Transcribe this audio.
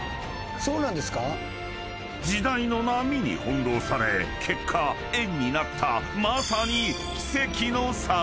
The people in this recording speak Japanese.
［時代の波に翻弄され結果円になったまさに］